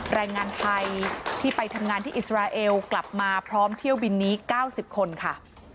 แรงงานไทยที่ไปทำงานที่อิสราเอลกลับมาพร้อมเที่ยวบินนี้๙๐คนค่ะ